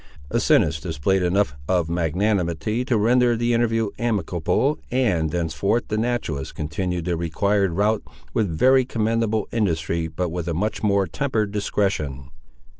Asinus displayed enough of magnanimity to render the interview amicable, and thenceforth the naturalist continued the required route with very commendable industry, but with a much more tempered discretion.